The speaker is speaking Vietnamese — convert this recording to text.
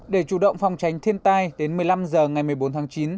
để chủ động phòng tránh thiên tai đến một mươi năm h ngày một mươi bốn tháng chín